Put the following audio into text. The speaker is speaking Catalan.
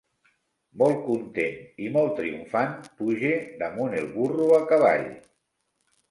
Molt content i molt triomfant puge damunt el burro a cavall.